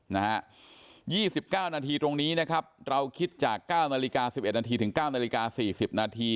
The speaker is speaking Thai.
๒๙นาทีตรงนี้นะครับเราคิดจาก๙นาฬิกา๑๑นาทีถึง๙นาฬิกา๔๐นาที